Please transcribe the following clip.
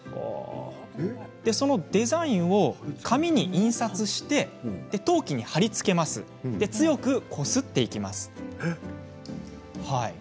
そのデザインを紙に印刷し陶器に貼り付けて強くこすります。